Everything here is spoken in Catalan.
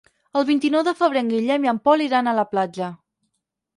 El vint-i-nou de febrer en Guillem i en Pol iran a la platja.